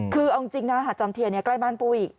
คือเอาจริงนะฮะจันทีอันนี้ใกล้บ้านปูอีก